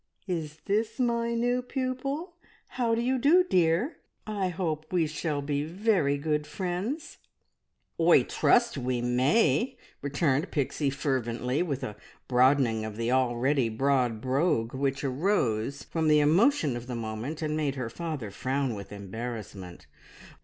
"Is this my new pupil? How do you do, dear? I hope we shall be very good friends!" "Oi trust we may!" returned Pixie fervently, and with a broadening of the already broad brogue which arose from the emotion of the moment and made her father frown with embarrassment.